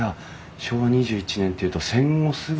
昭和２１年っていうと戦後すぐ。